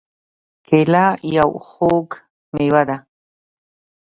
کېله یو خوږ مېوه ده.